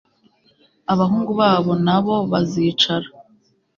abahungu babo na bo bazicara